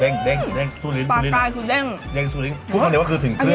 เด้งเด้งสู้ลิ้นสู้ลิ้นปากกายสู้เด้งเด้งสู้ลิ้นพูดคำเดียวว่าคือถึงเครื่อง